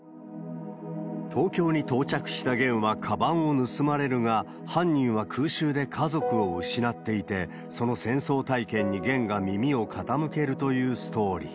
東京に到着したゲンはかばんを盗まれるが、犯人は空襲で家族を失っていて、その戦争体験にゲンが耳を傾けるというストーリー。